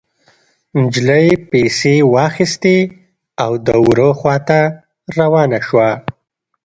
نجلۍ پيسې واخيستې او د وره خوا ته روانه شوه.